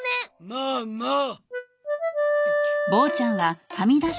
まあまあ。